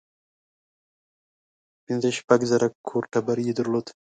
پنځه شپږ زره کور ټبر یې درلود.